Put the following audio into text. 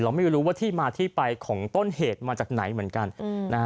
ไม่รู้ว่าที่มาที่ไปของต้นเหตุมาจากไหนเหมือนกันนะฮะ